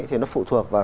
thì nó phụ thuộc vào